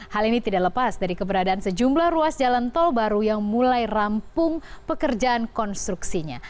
hal ini tidak lepas dari keberadaan sejumlah ruas jalan tol baru yang mulai rampung pekerjaan konstruksinya